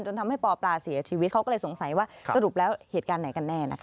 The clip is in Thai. ทำให้ปปลาเสียชีวิตเขาก็เลยสงสัยว่าสรุปแล้วเหตุการณ์ไหนกันแน่นะคะ